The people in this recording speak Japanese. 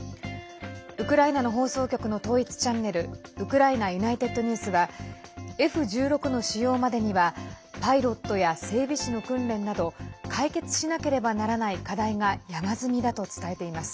ウクライナの放送局の統一チャンネルウクライナＵｎｉｔｅｄＮｅｗｓはＦ１６の使用までにはパイロットや整備士の訓練など解決しなければならない課題が山積みだと伝えています。